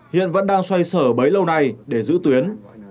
hiện vẫn đang xoay sở bấy lâu nay để giữ tuyến